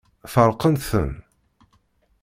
Feṛqent-ten.